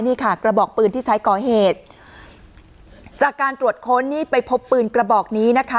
นี่ค่ะกระบอกปืนที่ใช้ก่อเหตุจากการตรวจค้นนี่ไปพบปืนกระบอกนี้นะคะ